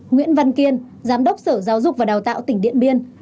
nguyễn văn kiên giám đốc sở giáo dục và đào tạo tỉnh điện biên